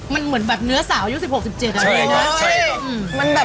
มันเหมือนบัดเนื้อสาวยุ้ย๑๖๑๗อะไรเลยนะ